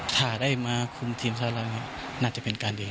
ถ้าได้มาคุมทีมชาติเราน่าจะเป็นการดี